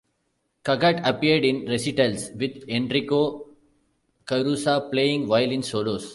Cugat appeared in recitals with Enrico Caruso, playing violin solos.